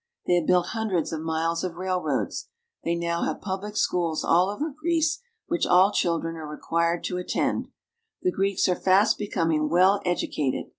They have built hundreds of miles of railroads. They now have public schools all over Greece, which all children are required to attend. The Greeks are fast becoming well educated.